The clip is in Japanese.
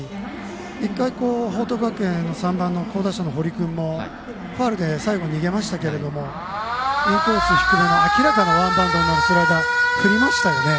１回、報徳学園の３番の好打者の堀君もファウルで最後逃げましたけどインコース低めの明らかにワンバウンドになるスライダーを振りましたよね。